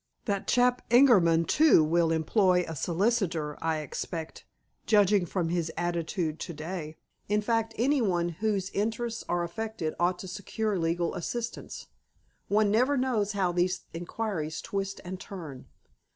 That chap, Ingerman, too, will employ a solicitor, I expect, judging from his attitude to day. In fact, any one whose interests are affected ought to secure legal assistance. One never knows how these inquiries twist and turn."